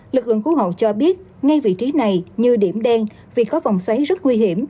lực lượng cứu hộ cho biết ngay vị trí này như điểm đen vì có vòng xoáy rất nguy hiểm